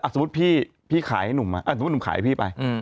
สมมุติสมมุติ